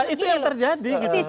itu yang terjadi